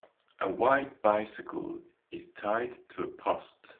A white bicycle is tied to a post